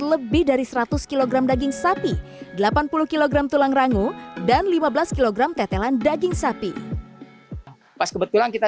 lebih dari seratus kg daging sapi delapan puluh kg tulang rangu dan lima belas kg tetelan daging sapi pas kebetulan kita